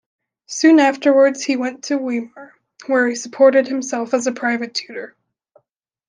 Soon afterwards he went to Weimar, where he supported himself as a private tutor.